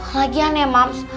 lagian ya mams